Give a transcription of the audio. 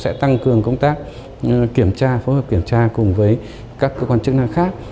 sẽ tăng cường công tác kiểm tra phối hợp kiểm tra cùng với các cơ quan chức năng khác